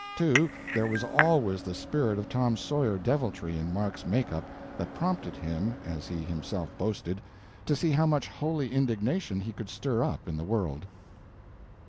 Too, there was always the spirit of Tom Sawyer deviltry in Mark's make up that prompted him, as he himself boasted, to see how much holy indignation he could stir up in the world.